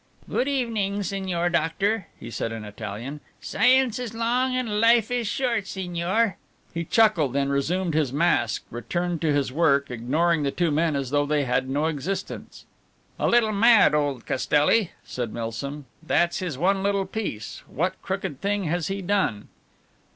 "Good evening, Signor Doctor," he said in Italian. "Science is long and life is short, signor." He chuckled and, resuming his mask, returned to his work, ignoring the two men as though they had no existence. "A little mad, old Castelli," said Milsom, "that's his one little piece what crooked thing has he done?"